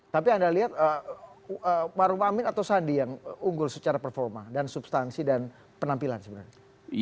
tapi anda lihat maruf amin atau sandi yang unggul secara performa dan substansi dan penampilan sebenarnya